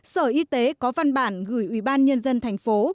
sở y tế có văn bản gửi ubnd thành phố